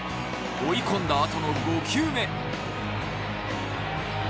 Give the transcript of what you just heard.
追い込んだ後の５球目。